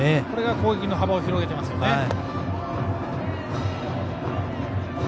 これが攻撃の幅を広げていますね。